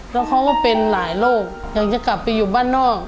แล้วเขาก็เป็นหลายโรคยังจะกลับไปอยู่บ้านนอก